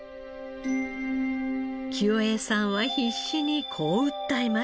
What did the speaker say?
清衛さんは必死にこう訴えました。